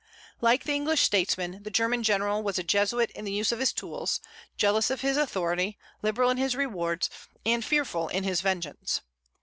Like the English statesman, the German general was a Jesuit in the use of tools, jealous of his authority, liberal in his rewards, and fearful in his vengeance.